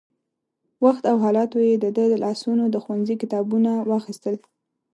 وخت او حالاتو يې د ده له لاسونو د ښوونځي کتابونه واخيستل.